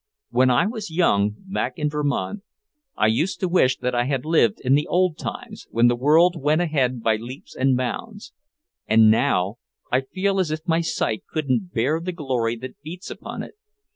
"When I was young, back in Vermont, I used to wish that I had lived in the old times when the world went ahead by leaps and bounds. And now, I feel as if my sight couldn't bear the glory that beats upon it.